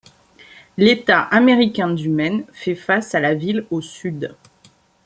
L'État américain du Maine fait face à la ville au sud.